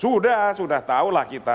sudah sudah tahu lah kita